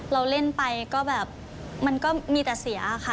เราเล่นไปก็แบบมันก็มีแต่เสียค่ะ